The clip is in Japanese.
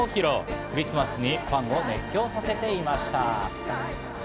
クリスマスにファンを熱狂させていました。